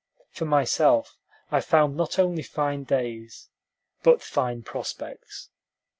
For myself, I found not only fine days, but fine prospects.